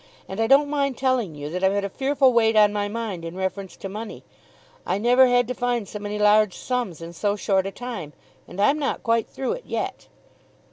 And I don't mind telling you that I've had a fearful weight on my mind in reference to money. I never had to find so many large sums in so short a time! And I'm not quite through it yet."